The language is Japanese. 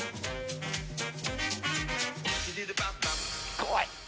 怖い！